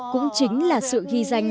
cũng chính là sự ghi danh